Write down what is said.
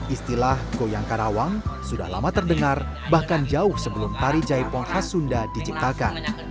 istilah goyang karawang sudah lama terdengar bahkan jauh sebelum tari jaipong khas sunda diciptakan